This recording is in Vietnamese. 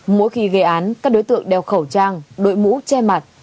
mỗi khi gây án các đối tượng đeo khẩu trang đội mũ che mặt